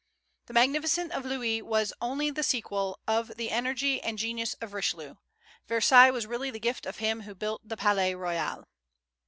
The magnificence of Louis was only the sequel of the energy and genius of Richelieu; Versailles was really the gift of him who built the Palais Royal.